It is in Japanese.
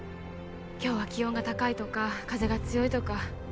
今日は気温が高いとか風が強いとか